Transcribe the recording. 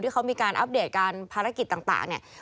เขามีการอัปเดตการภารกิจต่างเนี่ย